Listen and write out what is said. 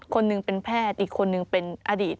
คนหนึ่งเป็นแพทย์อีกคนนึงเป็นอดีต